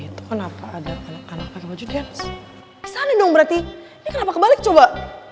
itu kenapa ada anak anak wajah dan sana dong berarti kebalik coba